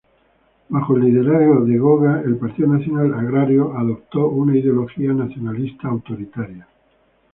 Bajo el liderazgo de Goga, el Partido Nacional Agrario adoptó una ideología nacionalista autoritaria.